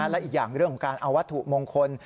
และอีกอย่างเรื่องของการเอาวัตถุมงคล